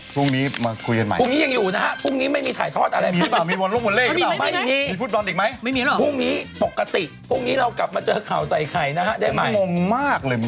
พรุ่งนี้มาคุยกันใหม่